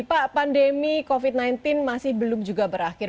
pak pandemi covid sembilan belas masih belum juga berakhir